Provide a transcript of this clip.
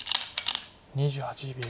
２８秒。